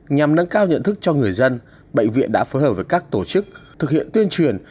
nhằm nâng cao nhận thức cho người dân bệnh viện đã phối hợp với các tổ chức thực hiện tuyên truyền